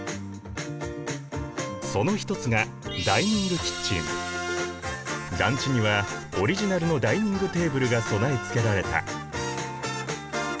その一つが団地にはオリジナルのダイニングテーブルが備え付けられた。